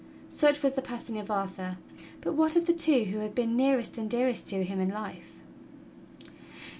Such was the passing of Arthur; but what of the two who had been nearest and dearest to him in life.